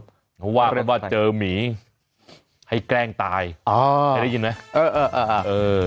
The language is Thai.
เพราะว่าเรียกว่าเจอหมีให้แกล้งตายได้ยินไหม